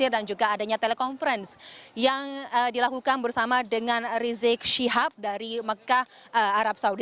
dan juga adanya telekonferensi yang dilakukan bersama dengan rizik shihab dari mekah arab saudi